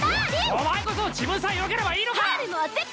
お前こそ自分さえよければいいのか！